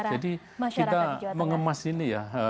jadi kita mengemas ini ya